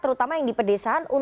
terutama yang di pedesaan